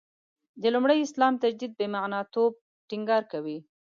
د لومړي اسلام تجدید «بې معنا» توب ټینګار کوي.